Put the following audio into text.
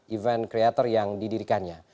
event creator yang didirikannya